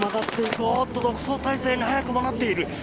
おっと、独走態勢に早くもなっている。